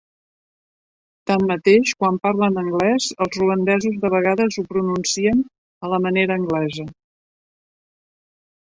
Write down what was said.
Tanmateix, quan parlen anglès, els ruandesos de vegades ho pronuncien a la manera anglesa.